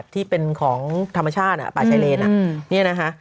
ที่เป็นของธรรมชาติป่าชายเลนนี่นะคะ